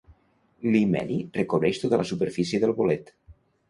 L'himeni recobreix tota la superfície del bolet.